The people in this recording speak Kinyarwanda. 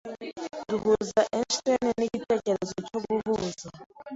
Duhuza Einstein nigitekerezo cyo guhuza.